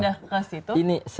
ini pindah ke situ